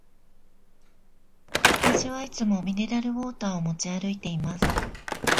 私はいつもミネラルウォーターを持ち歩いています。